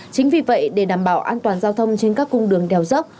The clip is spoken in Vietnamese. chính vì vậy để đảm bảo an toàn giao thông trên các cung đường đèo dốc